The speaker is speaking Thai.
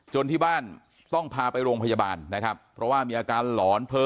ที่บ้านต้องพาไปโรงพยาบาลนะครับเพราะว่ามีอาการหลอนเผลอ